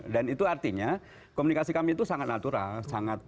dan itu artinya komunikasi kami itu sangat natural